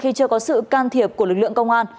khi chưa có sự can thiệp của lực lượng công an